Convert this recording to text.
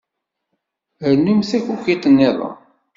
Rnumt takukit-nniḍen.